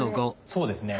そうですね。